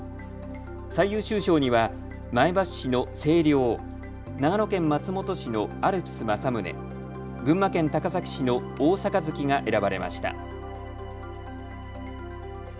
最優秀賞には前橋市の清りょう、長野県松本市のアルプス正宗、群馬県高崎市の大盃が選ばれました。